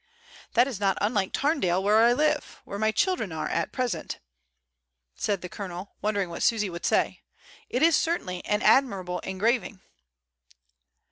"That is not unlike Tamdale, where I live; where my children are at present," said the Colonel, wondering what Susy would say; "it is certainly an admirable engraving."